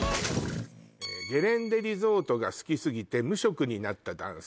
「ゲレンデリゾートが好き過ぎて」「無職になった男性」